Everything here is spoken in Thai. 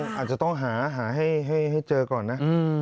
อาจจะต้องหาให้เจอก่อนนะ